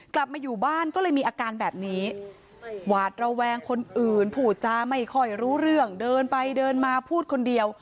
กลับมาอยู่บ้านก็เลยมีอาการแบบนี้หวาดระแวงคนอื่นผูจาไม่ค่อยรู้เรื่องเดินไปเดินมาพูดคนเดียว